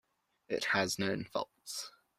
It has known faults.